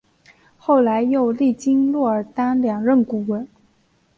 后来又历经若尔丹两任顾问。